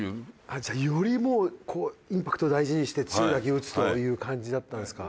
じゃあよりもうこうインパクトを大事にして強い打球を打つという感じだったんですか。